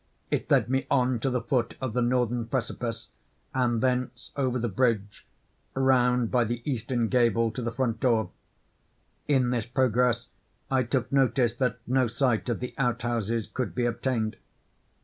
It led me on to the foot of the northern precipice, and thence over the bridge, round by the eastern gable to the front door. In this progress, I took notice that no sight of the out houses could be obtained.